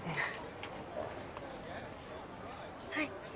はい。